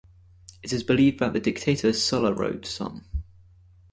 It is believed that the dictator Sulla wrote some.